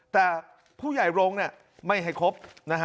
แต่ผู้ใหญ่โรงไม่ให้ครบนะฮะ